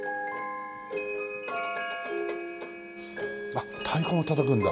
あっ太鼓もたたくんだ。